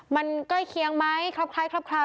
มันใกล้เคียงไหมครับคล้ายครับคราว